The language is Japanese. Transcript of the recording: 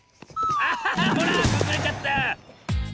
あほらくずれちゃった！